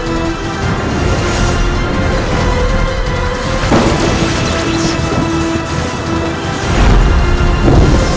aku bukan saudaramu